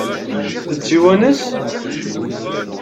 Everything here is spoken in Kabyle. Ad tt-iwanes?